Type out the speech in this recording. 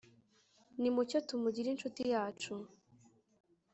nimucyo tumugire incuti yacu